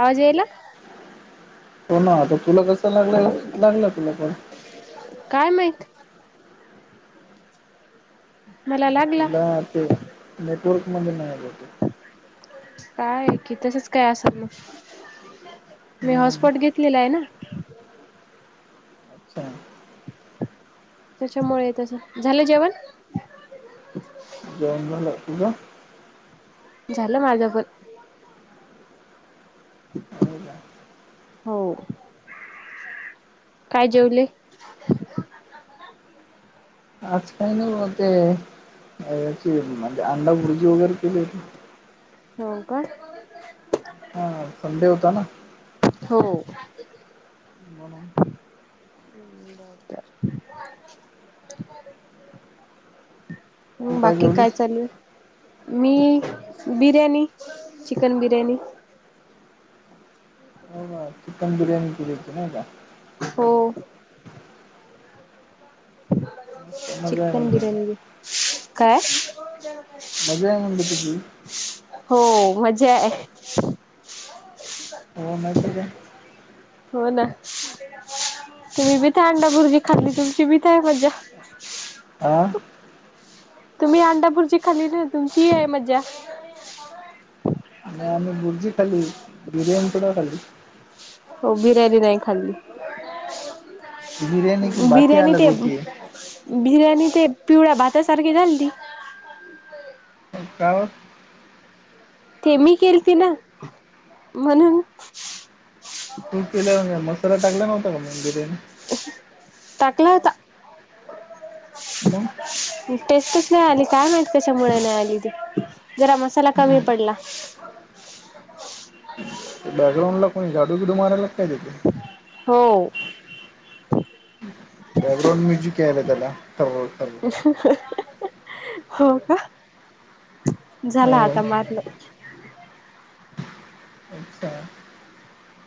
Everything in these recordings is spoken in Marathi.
आवाजयेईला? हो ना आता तुला कसं लाग, लागला तुला. पण काय माहित, मला लागला ना ते नेटवर्क मध्ये नाही भवतेक, काय आहे कि तसच काय असल मग, मी हा हॉटस्पॉट घेतलेला आहेना. [inaudible] त्याच्यामुळे तस, झालं जेवण? जेवण झालं, तुझ. झालं, माझ पण. [inaudible] हो, काय जेवले? आज काही नाही व ते, याची म्हणजे अंडा बुर्जी वगैरे केली. हो, का हा संडे होताना. हो, म्हणून [unintelligible] तू हम्, बाकी काय जेवलीस चालू आहे. मी, बिर्याणी, चिकन बिर्याणी. [unintelligible] हो का चिकन बिर्याणी केली होती, नाही का. हो, मस्त मजा आहे चिकन म्हणते तुझी बिर्यानी, काय? मजा आहे, म्हणलं तुझी. हो मजाआहे. हो नाहीतर काय, [unintelligible] हो ना, तुम्हीबी ते अंडाबुर्जी खाल्ली तुमचीबी तेय मज्जा. आं, तुम्ही, अंडाबुर्जी खालीलना तुमची आहे मज्जा. नाही आम्ही भुर्जी खाली, बिर्याणी थोडीना खाली! हो, बिर्याणी नाही खाल्ली. बिर्याणी की बाती बिर्याणी अलग ते होती बिर्याणी ते, पिवळ्या भातासारखी झालती. काव, ते, मी केलती ना म्हणून, तू केल्या मसाला टाकला नव्हताका म बिर्याणी टाकला होता. मग टेस्टच नाही आली, काय माहित कशा मुळे नाही आली ती, जरा मसाला कमी पडला. [unintelligible] बॅकग्रांडला कोणी झाडू बिडू मारयला काय तिथं. हो. बॅकग्राऊंड म्युझिक याला त्याला सर्व सर्व.... हा हा हो का झाला हो आता मारलं.... अच्छा.....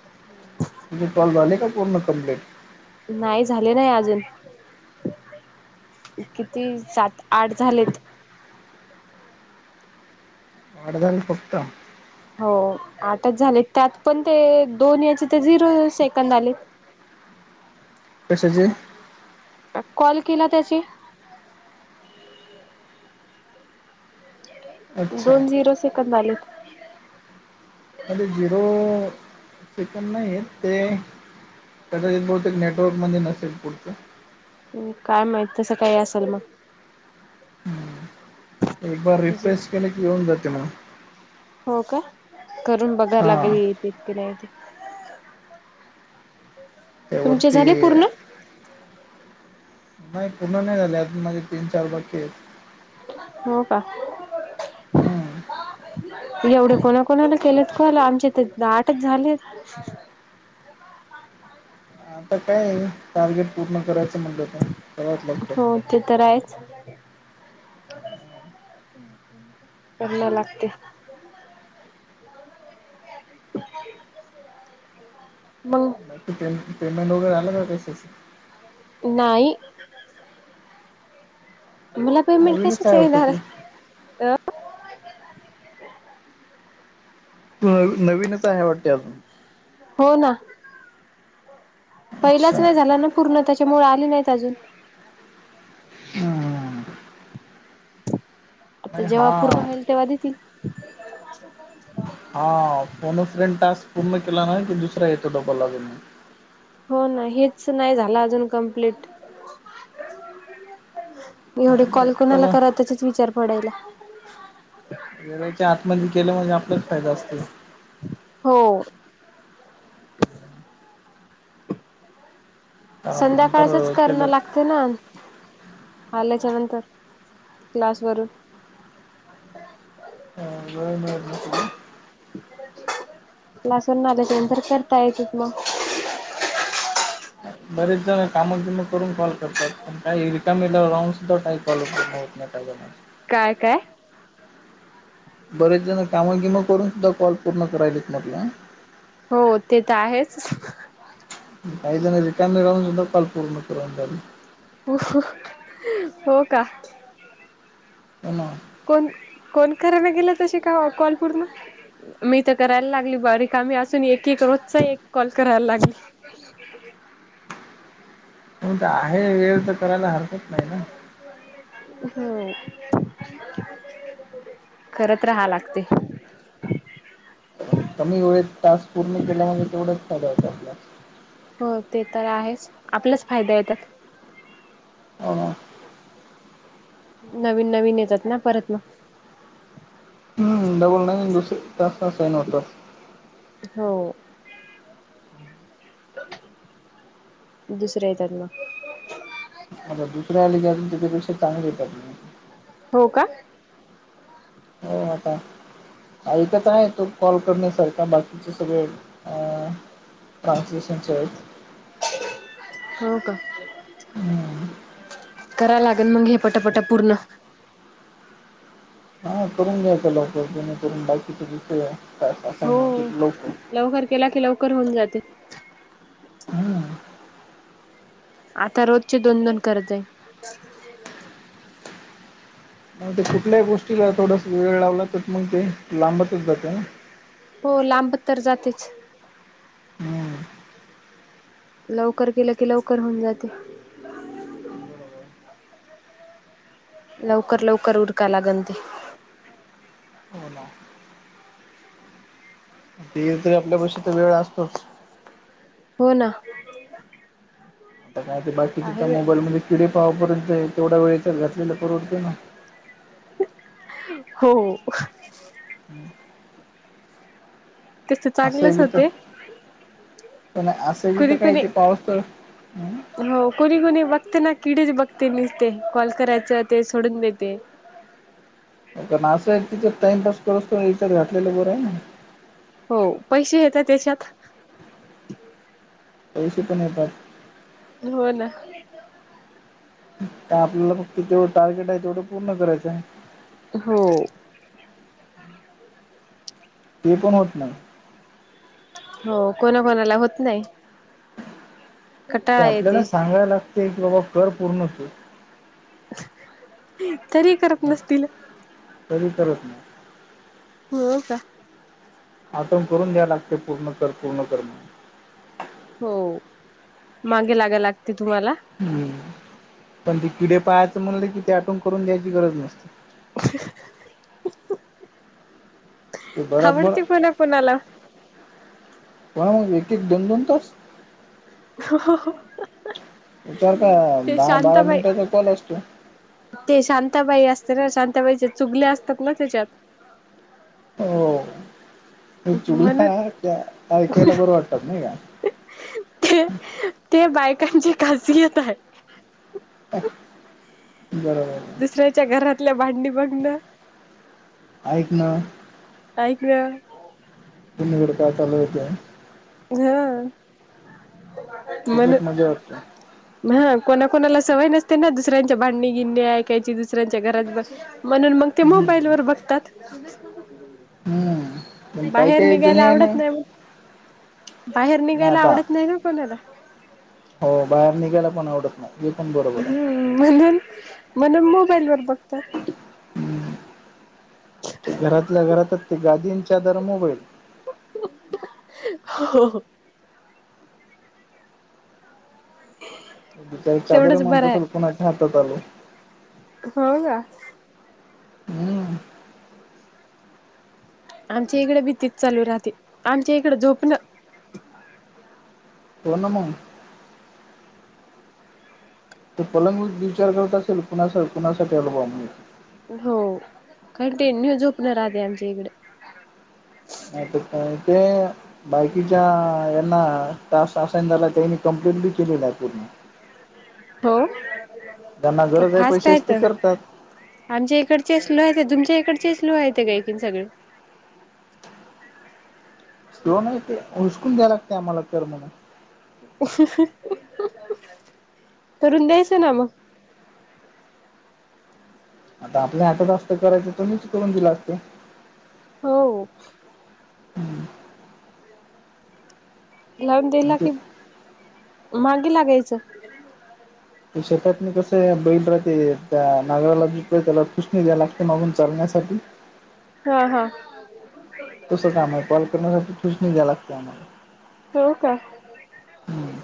हम्म तुझे कॉल झाले का? पूर्ण कम्प्लीट.... नाही झाले नाही अजून..... किती सात आठ झालेत.... आठ झालं फक्त... हो आठच झाले त्यात पण ते दोन याचे ते झिरो सेकंद आलेत.... [unintelligible] कॉल केला त्याची.... अच्छा दोन झिरो सेकंद आले..... म्हणजे झिरो चिकन नाही आहेत ते.... कदाचित बहुतेक नेटवर्कमध्ये नसेल पुढचं... काय माहित तसं काही असेल मग.... एक ब जी रिफ्रेश केले की येऊन जाते मग... हो का करून बघायला हां लागेल येत कि नाही.... तुमचे त्यावरती झाले पूर्ण...... नाही पूर्ण नाही झाले अज माझे तीन चार बाक्की आहेत... हो का.... हम..... एवढे कोणाकोणाला केलेत कॉल आमचे तर आठच झाले..... आता काय टार्गेट पूर्ण करायचं म्हणलं ते... हो ते तर आहेच. करमा लागते. मग... पे पेमेंट वगैरे आला का कशाच.... नाही. मला पेमेंट नवीनच कशाच वाटतं येणार तू आहे? नवी नवीनच आहे वाटते अजून... हो ना... अच्छा पहिलाच नाही झाला ना पूर्ण त्याच्यामुळे आली नाहीत अजून.... हम्म. तर नाही हा जेव्हा पूर्ण होईल तेव्हा देतील. हम.. हा फोन अ फ्रेंड टास्क पूर्ण केला ना की दुसरा येतो डबल अजून... हो ना हेच नाही झालं अजून कंप्लीट.... एवढे कॉल तर कोणाला करा तेचाच विचार पडायला. वेळेच्या आतमध्ये केलं म्हणजे आपलाच फायदा असतो. हो... कारण नंतर संध्याकाळच केलं करणं लागत. ना आल्याच्या नंतर क्लास वरून... ह जय म न स.... लसून नालंचनंत करता येतच मग.... बरेच जण कामं बिम करून कॉल करतात. पण काही रिकामी सुद्धा कॉल पूर्ण होत नाहीत काही जणांसनी..... काय काय? बरेच जण कामंगिमं करून सुद्धा कॉल पूर्ण करायलात मटलं. हो ते तर आहेच. काही जण रिकामी राहून सुद्धाॉल पूर्ण करून झाली. हो हो का प्हा [unintelligible] कोण कोण करायला गेला तसे कॉल पूर्ण मी तर करायला लागली बारीक आम्ही असून एक एक रोजचा एक कॉल करायला लागली. प तर आहे वेळ तर करायला हरकत नाही ना होम [inaudible] खरत राहा लागते कारण कमी वेळेत तास पूर्ण केल्यामुळे तेवढाच फायदा होत आपल्याला हो ते तर आहेच आपलाच फायदा येतात हो नवीन नवीन येतात ना परत मग डबल नाईन दुसरी तास तास आहे न होतं हो दुसरे येतात ना आ दुसऱ्या आलेेून त्याच्यापेक्षा तांग येतात मग हो का हो आता ऐकत आहे तो कॉल करण्यासारखा बाकीचे सगळे अ ट्रानसलेशनचे हो का हम्म करायला लागेल मग हे पटापटा पूर्ण हा करून घ्यायचं लोक जेणेकरून बाकीचे जथे का असं हो लोक लवकर केला की लवकर होऊन जाते हम्म. आता रोजची दोन दोन गरज जाईन. मग ते कुठल्याही गोष्टीला थोडास वेळ लावला तर मग ते लांबातच जातं ना हो लांब तर जातेच हम्म. लवकर केलं की लवकर होऊन जाते बरोबर लवकर लवकर उरकायलागन ते हो ना ते तरी आपल्या पशी तर वेळ असतोच. हो ना. आता काय ते बाकीच्या आहे त्या वेळ. मोबाईल मध्ये किडे पाव परत जा तेवढा वेळेचा घलेला परडतो ना हो तस चांगलंच असेबी तर होते प नाही असे बी तर कुणी काय इ कुणी तेे पाऊस तर हो कोणी कोणी बघते ना किडेच बघते नसते कॉल करायचं ते सोडून देते. हो ना असं आहे तिच्या टाइमपास कर विचार घातलेला बरं आहे ना हो पैसे येत त्याच्यात पैसे पण येतात. हो ना आपल्याला फक्त जेवढं टार्गेट आहे तेवढं पूर्ण करायचं आहे. हो ते पण होत नाही. हो कोणा कोणाला होत नाही. ते कटाळा आपल्याला येते सांगायला लागतेय की बाबा कर पूर्ण त तरी करत मग नसतील तरी करत नाही. हो् का आठवण करून द्या लागते पूर्ण कर पूर्ण कर म्हण हो मागे लागा लागते तुम्हाला हम्म पण ते किडे पाहायचं म्हणलं कि ते आटवून करून द्यायची गरज नसते. [unintelligible] ते बराबर आवडते कोणा कोणाला कोणा मग व्यक् एक दोन दोन तास हो विचार का दहा बारा मिनिटाचा कॉल असतो. ते शांताबाई असते ना शांताबाईचे चुगले असतात ना त्याच्यात हो म चुगला म्हणून ऐकायला बरं वाटतात नाही का ते ते बायकांची काजियत आहे. बरोबर दुसऱ्याच्या घरातल्या भांडी बघणं ऐक ना. ऐकवा पिण कड आलेत [unintelligible] हा मण त्याच्यात मजा वाटते [inaudible] हा कोणाकणाला सवय नसते ना दुसऱ्यांच्या भांडणी गिंणे ऐकायची दुसऱ्यांच्या घरात ब म्हणून मग ते हम्म मोबाईलवर बघतात. हम्म पण काही बाहेर काही जुने निघायला आहे ना आवडत नाही मग बाहेर ना निघायला आता आवडत नाही ना कोणाला. हो बाहेर निघायला पण आवडत नाही हे पण बरोबर आहे. हम्म म्हणून म्हणून मोबाईल वर बघता. हम्म घरातल्या घरातच ते गादीं चदर मोबाईल हो ह का चादर म्हणत असेल कुणाच्या हातात आलो. हो का हम्म आमच्या इकडे भीतीच चालू राहते आमच्या इकडं झोपणं. पोर्णम ते पलंग विचार करत असेल कुणा कुणासाठीव बा हो कारण टेन्यू झोपणार राहते आमच्या इकडे ह ते का ते बायकीच्या यांना तास असान झाला त्यांनी कंप्लेट बी केले नाही आहे पूर्ण हो त्यांना तर गरज आहे फास्ट पैसेच आहेत ते करतात. आमच्या इकडचे स्लो आहेत तुमच्या इकडचे स्लो आहेत कायकन सगळे शव नाही ते हसकून द्याय लागते आम्हाला तर म्हणून तरुण द्यायचं ना मग आता आपल्या हात जा असतं करायचं तर मीच करून दिला असतो. हो लावून पण द्याला ते की मागे लाग्यायचं. ते शेतात म कस बैल राहते त्या नागराला ज त्याला खुषणी द्या लागते मागून चालण्यासाठी हा हा तसं काम आहे कॉल करण्यासाठी खूच नाही्या लागते आम्हाला हो का हम्म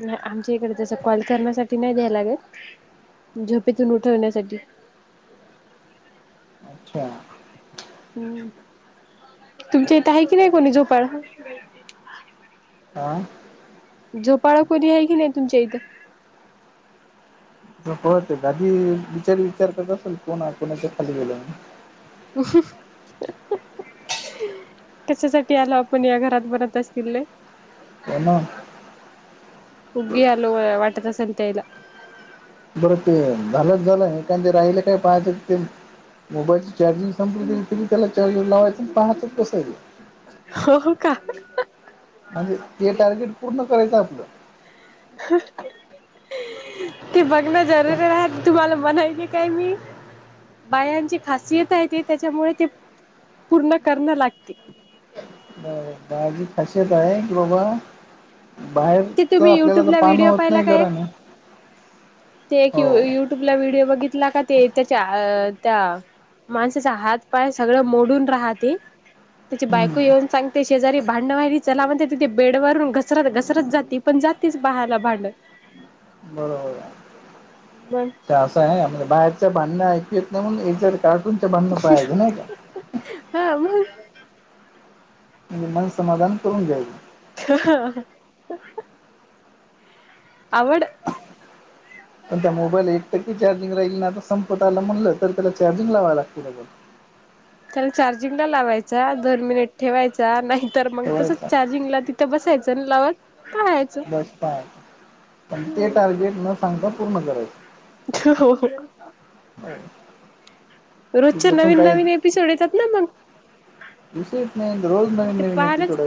नाही आमच्या इकडे तस कॉल करण्यासाठी नाही द्याय लागल झोपेतून उठवण्यासाठी अच्छा हम् तुमच्या इथ आहे कि नाही कोणी झोपाड हं झोपाळा कोोली आहे की नाही तुमच्या इथं ळत गादीी विचारी विचार करत असेल कोणा कोणाच्या खाली गेला हम कशासाठी आला आपण या घरात बनत असतील हो ना हुगी अलो वाटद संत्यायला बरं ते झालंच झालं ते राहिले काय पाहायचं ते मोबाईलची चार्जिंग संपली त् त्याला चाू लावायचं पाहतच कसं आहे हो का म्हणजे ते टार्गेट पूर्ण करायचं आपलं ते बघण जरुरी राह तुम्हाला म्हणायचे काय मी बायांची खासियत आहे ते त्याच्यामुळे ते पूर्ण करणं लागते ब बाजी खाश बा आहे गलबा ते बाहेरच तुम्ही आपल्याला तर युट्यूबला पानं व्हिडिओ होत पाहिला नाही का एक घरान ते एक य युट्यूबला व्हिडिओ बघितला का ते त्याच्या त्या माणसाचा हात पाय सगळं मोडून राहते तिची बायको येऊन हम्म सांगते शेजारी भांडवा्हारी चला म्हणते तिे बेडवरून घसरत घसरत जात ती पण जातेच बाहाला भांडत बरोबर मग आहे आहे म्हणजे बाहेरच्या भांडण्या ऐकू येत नाही मण याच्या कार्टून ं बांधणू पाहायज नाही का हा मग म्हणजे मन समाधान करून घ्यायच ह आवड पण त्या मोबाईल एक टक्के चार्जिंग राहील ना संपत आला म्हणलं तर त्याला चार्जिंग लावाव लागतील अ त्याला चार्जिंग ला लावायचा दन मिनिट ठेवायचा नाहीतर मग तेवढंच तसच आहे चार्जिंगला ति ते बसायचं लावत आहेत बस पाय पण ते टार्गेट न सांगता पूर्ण हो करायचं हो रोजच्या नवीन नवीन एपिसोड येतात ना मग विश नाही रोज नवीन ते नवीन एपिसोड आहे पाहायलाच